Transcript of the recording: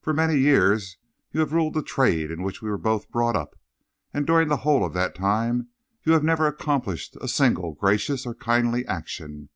For many years you have ruled the trade in which we were both brought up, and during the whole of that time you have never accomplished a single gracious or kindly action.